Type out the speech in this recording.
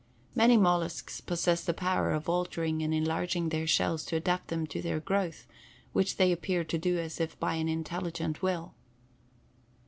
Many mollusks possess the power of altering and enlarging their shells to adapt them to their growth, which they appear to do as if by an intelligent will.